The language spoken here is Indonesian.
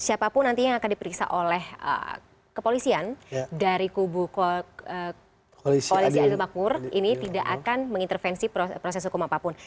siapapun nanti yang akan diperiksa oleh kepolisian dari kubu koalisi adil makmur ini tidak akan mengintervensi proses hukum apapun